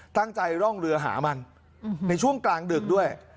ตั้งใจร่องเรือหามันในช่วงกลางดึกด้วย